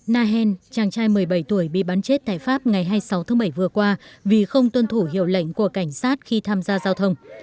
nahen chàng trai một mươi bảy tuổi bị bắn chết tại pháp ngày hai mươi sáu tháng bảy vừa qua vì không tuân thủ hiệu lệnh của cảnh sát khi tham gia giao thông